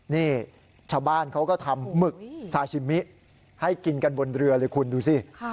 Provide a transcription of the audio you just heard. นี่ชาวบ้านเขาก็ทำหมึกซาชิมิให้กินกันบนเรือเลยคุณดูสิ